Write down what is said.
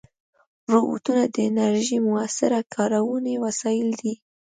روبوټونه د انرژۍ مؤثره کارونې وسایل دي.